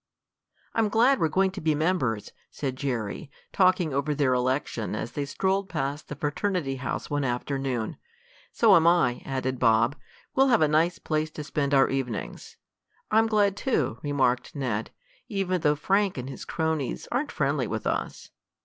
"I'm glad we're going to be members," said Jerry, talking over their election as they strolled past the fraternity house one afternoon. "So am I," added Bob. "We'll have a nice place to spend our evenings." "I'm glad, too," remarked Ned, "even though Frank and his cronies aren't friendly with us."